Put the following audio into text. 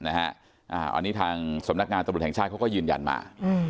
อันนี้ทางสำนักงานตำรวจแห่งชาติเขาก็ยืนยันมา